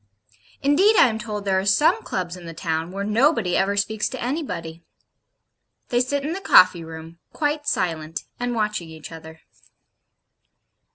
Indeed I am told there are some Clubs in the town where nobody ever speaks to anybody. They sit in the coffee room, quite silent, and watching each other.